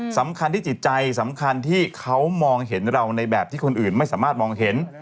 สำคัญที่จิตใจสำคัญที่เขามองเห็นเราในแบบที่คนอื่นไม่สามารถมองเห็น